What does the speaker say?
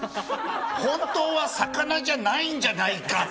本当は魚じゃないんじゃないか。